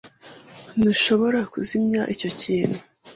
Ntushobora kuzimya icyo kintu?